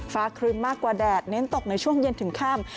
ครึ้มมากกว่าแดดเน้นตกในช่วงเย็นถึงค่ำ